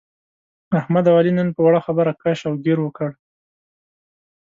احمد او علي نن په وړه خبره کش او ګیر وکړ.